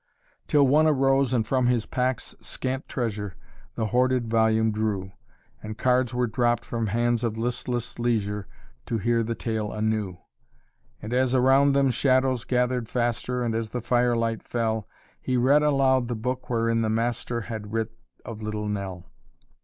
Till one arose and from his pack's scant treasure The hoarded volume drew, And cards were dropped from hands of listless leisure To hear the tale anew. And as around them shadows gathered faster And as the firelight fell, He read aloud the book wherein the Master Had writ of Little Nell.